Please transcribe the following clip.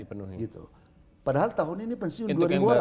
padahal tahun ini pensiun dua orang